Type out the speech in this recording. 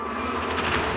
kau akan mencari aku